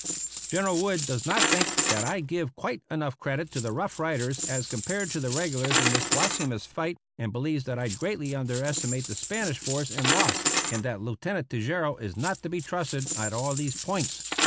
General Wood does not think that I give quite enough credit to the Rough Riders as compared to the regulars in this Guasimas fight, and believes that I greatly underestimate the Spanish force and loss, and that Lieutenant Tejeiro is not to be trusted at all on these points.